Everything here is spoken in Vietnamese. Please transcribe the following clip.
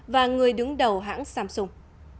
và người đứng đầu hãng samsung